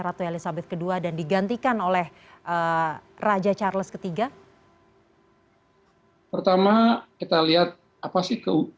ratu elizabeth ii dan digantikan oleh raja charles iii pertama kita lihat apa sih ke